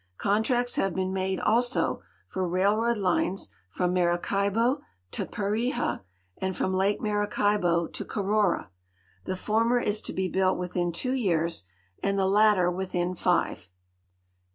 Contracts have been made also for railroad lines from iNIaracaibo to Perijaaud from Lake Maracaibo to Carora. The former is to be bnilt within two years and the latter within five.